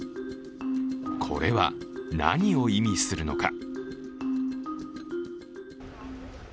これは何を意味するのか。